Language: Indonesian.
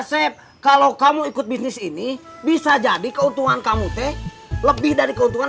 asep kalau kamu ikut bisnis ini bisa jadi keuntungan kamu teh lebih dari keuntungan